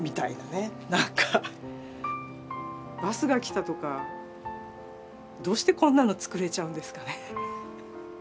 「バスがきた」とかどうしてこんなの作れちゃうんですかね？